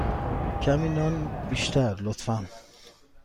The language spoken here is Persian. کمی نان بیشتر، لطفا.